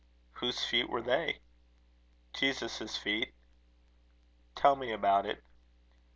"Whose feet were they?" "Jesus' feet." "Tell me about it."